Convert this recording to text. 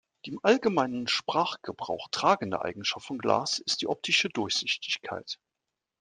Die im allgemeinen Sprachgebrauch tragende Eigenschaft von Glas ist die optische Durchsichtigkeit.